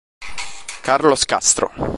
Carlos Castro